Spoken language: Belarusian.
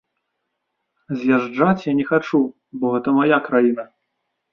З'язджаць я не хачу, бо гэта мая краіна.